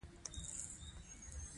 تا په دې مياشت کې څو کتابونه کتلي دي؟